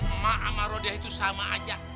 emak sama roda itu sama aja